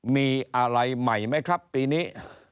มีอะไรใหม่ไหมครับปีนี้